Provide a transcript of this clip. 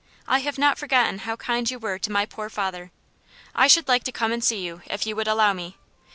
I have not forgotten how kind you were to my poor father. I should like to come and see you if you would allow me.